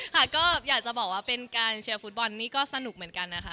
ค่ะก็อยากจะบอกว่าเป็นการเชียร์ฟุตบอลนี่ก็สนุกเหมือนกันนะคะ